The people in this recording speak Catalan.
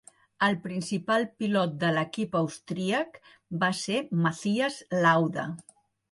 El principal pilot de l'equip austríac va ser Mathias Lauda.